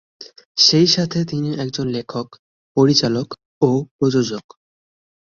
সেই সাথে তিনি একজন লেখক, পরিচালক, ও প্রযোজক।